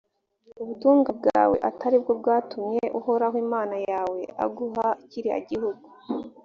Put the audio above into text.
ubutungane bwawe atari bwo bwatumye uhoraho imana yawe aguha kiriya gihugu